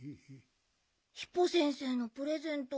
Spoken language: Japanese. ヒポ先生のプレゼント